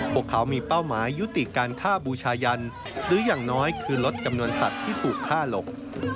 พวกเขามีเป้าหมายยุติการฆ่าบูชายันหรืออย่างน้อยคือลดจำนวนสัตว์ที่ถูกฆ่าหลบ